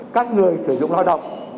các người sử dụng lao động